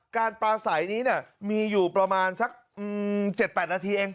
ปลาใสนี้มีอยู่ประมาณสัก๗๘นาทีเอง